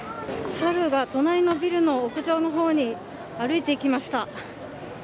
猿が隣のビルの屋上の方に歩いていきました。